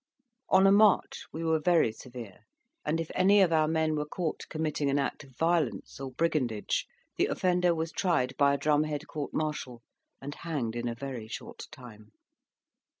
On a march we were very severe, and if any of our men were caught committing an act of violence or brigandage, the offender was tried by a drum head court martial, and hanged in a very short time.